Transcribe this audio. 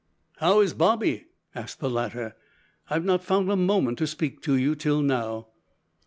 "How is Bobby?" asked the latter, "I have not found a moment to speak to you till now."